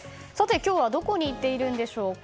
今日はどこに行っているんでしょうか。